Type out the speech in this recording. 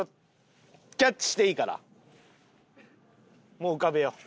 もう浮かべよう。